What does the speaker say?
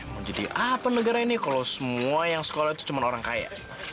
menjadi apa negara ini kalau semua yang sekolah itu cuma orang kaya